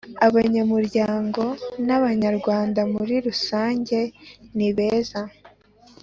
abanyamuryango n abanyarwanda muririrusanjye nibeza